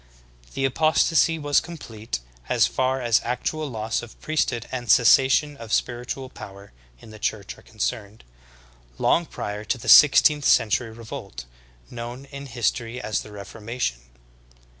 The apostasy was complete, as far as actual loss of priesthood and cessation of spiritual power in the Church are concerned, long prior to the six teenth century revolt, knovvU in history as the Reformation.